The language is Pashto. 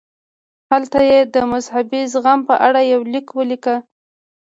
هلته یې د مذهبي زغم په اړه یو لیک ولیکه.